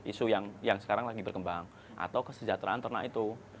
isu yang sekarang lagi berkembang atau kesejahteraan ternak itu